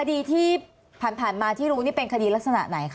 คดีที่ผ่านมาที่รู้นี่เป็นคดีลักษณะไหนคะ